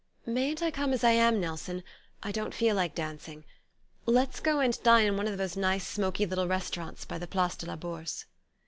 "Mayn't I come as I am, Nelson, I don't feel like dancing. Let's go and dine in one of those nice smoky little restaurants by the Place de la Bourse."